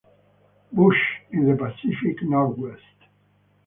Bush in the Pacific Northwest.